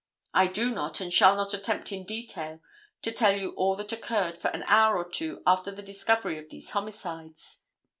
I do not and shall not attempt in detail to tell you all that occurred for an hour or two after the discovery of these homicides.